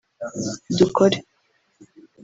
dukore